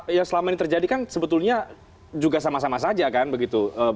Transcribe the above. yang selama ini terjadi kan sebetulnya juga sama sama saja kan begitu